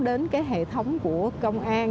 đến cái hệ thống của công an